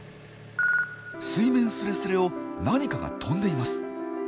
水面すれすれを何かが飛んでいます。